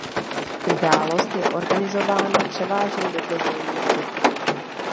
Událost je organizována převážně dobrovolníky.